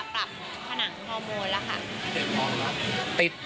เต็มพร้อม